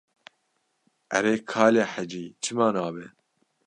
Erê, kalê hecî, çima nabe.